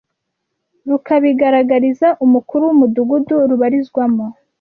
rukabigaragariza umukuru w’umudugudu rubarizwamo